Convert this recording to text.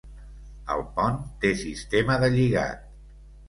El pont té sistema de lligat.